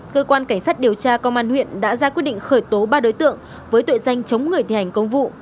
cơ quan cảnh sát điều tra công an huyện đã ra quyết định khởi tố ba đối tượng với tội danh chống người thi hành công vụ